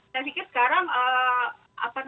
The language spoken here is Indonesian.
sedikit sekarang apa namanya